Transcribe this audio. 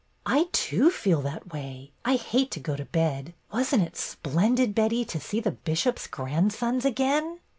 '' I, too, feel that way. I hate to go to bed. Wasn't it splendid, Betty, to see the bishop's grandsons again